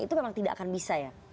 itu memang tidak akan bisa ya